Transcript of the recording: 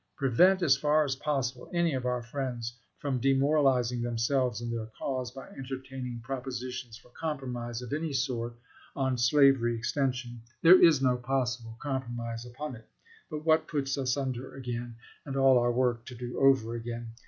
Prevent as far as possible any of our friends from demoralizing themselves and their cause by entertaining propositions for compromise of any sort on slavery extension. There is no possible compromise upon it but what puts us under again, and all our work to do over again.